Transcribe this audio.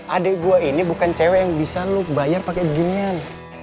adik gue ini bukan cewek yang bisa lo bayar pakai ginian